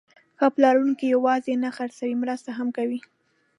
ښه پلورونکی یوازې نه خرڅوي، مرسته هم کوي.